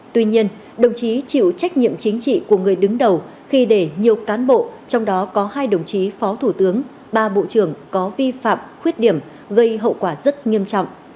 tuy nhiên đồng chí chịu trách nhiệm chính trị của người đứng đầu khi để nhiều cán bộ trong đó có hai đồng chí phó thủ tướng ba bộ trưởng có vi phạm khuyết điểm gây hậu quả rất nghiêm trọng